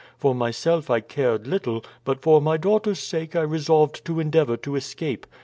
For myself I cared little; but for my daughter's sake I resolved to endeavour to escape.